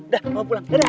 dah bawa pulang dadah